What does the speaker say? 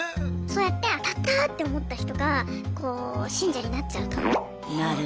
そうやって当たった！って思った人が信者になっちゃうと。